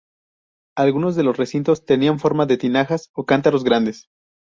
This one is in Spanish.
Algunos de los recintos tenían forma de tinajas o cántaros grandes.